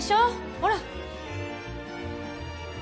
ほら。